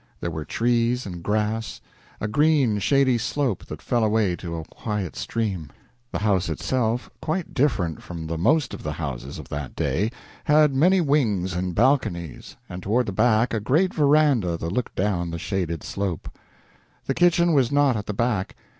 There were trees and grass a green, shady slope that fell away to a quiet stream. The house itself, quite different from the most of the houses of that day, had many wings and balconies, and toward the back a great veranda that looked down the shaded slope. The kitchen was not at the back.